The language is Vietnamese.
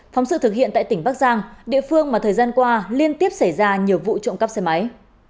phóng sự thực hiện tại tỉnh bắc giang địa phương mà thời gian qua liên tiếp xảy ra nhiều vụ trộm cắp xe máy